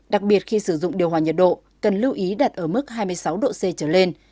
đặc biệt khi sử dụng điều hòa nhiệt độ cần lưu ý đặt ở mức hai mươi sáu độ c trở lên